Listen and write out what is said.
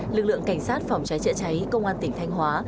lực lượng cảnh sát phòng cháy chữa cháy công an tỉnh thanh hóa